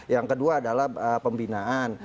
yang kedua adalah pembinaan